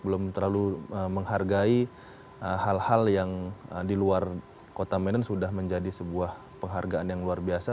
belum terlalu menghargai hal hal yang di luar kota medan sudah menjadi sebuah penghargaan yang luar biasa